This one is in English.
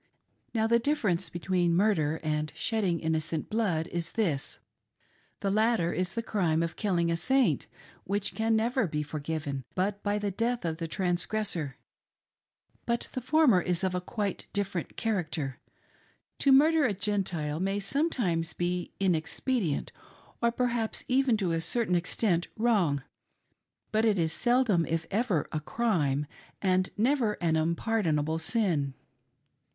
Now the difference between murder and shedding innocent blood is this :— the latter is the crime of killing a Saint, which can never be forgiven, but by the death of the transgressor ; but the former is of quite a different character. To murder a Gentile may sometimes be inexpedient, or perhaps even to a certain extent wrong, but it is seldom, if ever, a df'ime, and never an unpardonable sin.